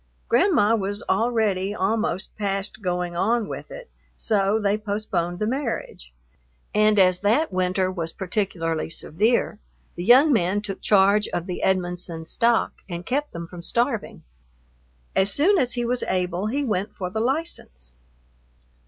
Grandma was already almost past going on with it, so they postponed the marriage, and as that winter was particularly severe, the young man took charge of the Edmonson stock and kept them from starving. As soon as he was able he went for the license.